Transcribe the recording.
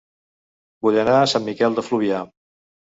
Vull anar a Sant Miquel de Fluvià